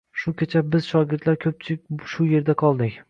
Shu kecha biz shogirdlar ko’pchilik shu yerda qoldik.